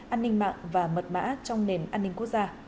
an ninh mạng và mật mã trong nền an ninh quốc gia